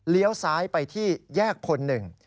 เลี้ยวซ้ายไปที่แยกคนหนึ่ง